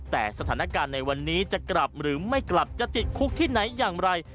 แต่สถานการณ์ในวันนี้จะกลับหรือไม่กลับจะติดคุกที่ไหนอย่างไร